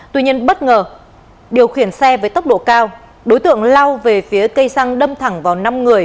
tuy nhiên bất ngờ điều khiển xe với tốc độ cao đối tượng lao về phía cây xăng đâm thẳng vào năm người